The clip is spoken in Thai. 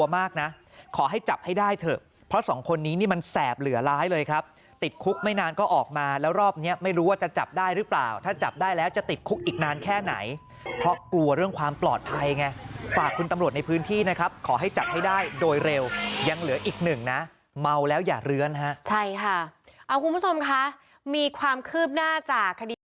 ไม่รู้ว่าจะจับได้หรือเปล่าถ้าจับได้แล้วจะติดคุกอีกนานแค่ไหนเพราะกลัวเรื่องความปลอดภัยไงฝากคุณตำรวจในพื้นที่นะครับขอให้จับให้ได้โดยเร็วยังเหลืออีกหนึ่งนะเมาแล้วอย่าเรือนฮะใช่ค่ะเอาคุณผู้ชมค่ะมีความคืบหน้าจากคดี